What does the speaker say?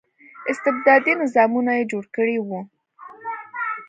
استبدادي نظامونه یې جوړ کړي وو.